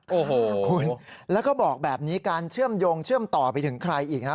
โอ้โหคุณแล้วก็บอกแบบนี้การเชื่อมโยงเชื่อมต่อไปถึงใครอีกนะ